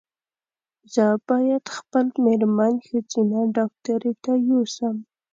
زه باید خپل مېرمن ښځېنه ډاکټري ته یو سم